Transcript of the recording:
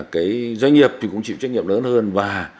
cái doanh nghiệp thì cũng chịu trách nhiệm lớn hơn và